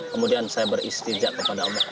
kemudian saya beristijat kepada allah